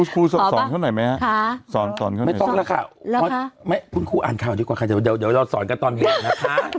ครูสอนเข้าหน่อยไหมฮะสอนเข้าหน่อยครูอ่านข่าวดีกว่าค่ะเดี๋ยวเราสอนกันตอนเหลือนะคะ